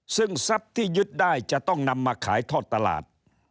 ซึ่งทรัพย์ที่ยึดได้จะต้องนำมาขายทอดตลาด